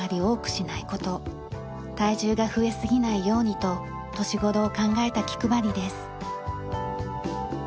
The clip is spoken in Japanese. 体重が増えすぎないようにと年頃を考えた気配りです。